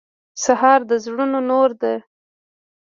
سهار د زړونو نور ده.